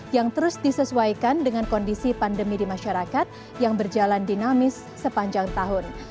yang terus disesuaikan dengan kondisi pandemi di masyarakat yang berjalan dinamis sepanjang tahun